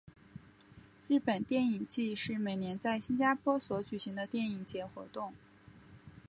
日本电影祭是每年在新加坡所举行的电影节活动。